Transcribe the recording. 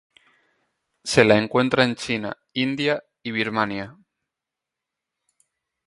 Se la encuentra en China, India y Birmania.